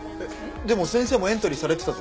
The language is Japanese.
でも先生もエントリーされてたぞ。